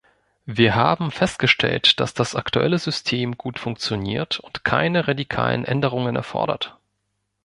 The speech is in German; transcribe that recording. Wir haben festgestellt, dass das aktuelle System gut funktioniert und keine radikalen Änderungen erfordert.